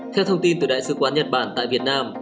theo thông tin từ đại sứ quán nhật bản tại việt nam